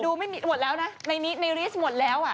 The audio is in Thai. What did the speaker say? ดูหมดแล้วนะในรีสหมดแล้ว